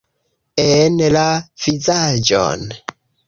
En la vizaĝon!